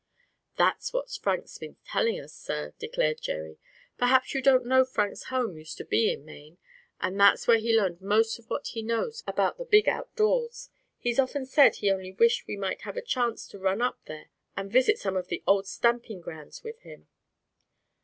"That's what Frank's been telling us, sir," declared Jerry. "Perhaps you don't know Frank's home used to be in Maine; and that's where he learned most of what he knows about the big outdoors. He's often said he only wished we might have a chance to run up there and visit some of the old stamping grounds with him."